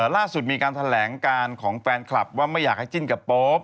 ล่าสุดมีการแถลงการของแฟนคลับว่าไม่อยากให้จิ้นกับโป๊ป